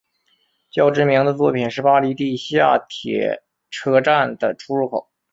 较知名的作品是巴黎地下铁车站的出入口。